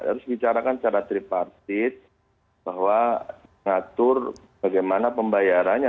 terus dibicarakan secara tripartit bahwa mengatur bagaimana pembayarannya